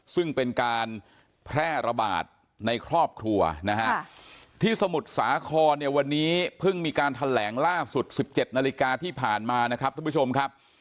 ซึ่งเป็นการแพร่ระบาดในครอบครัวนะฮะที่สมุทรสาครเนี่ยวันนี้เพิ่งมีการแถลงล่าสุด๑๗นาฬิกาที่ผ่านมานะครับท่านผู้ชมครับ